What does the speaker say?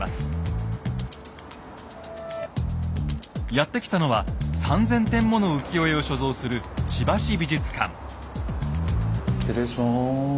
やって来たのは３，０００点もの浮世絵を所蔵する失礼します。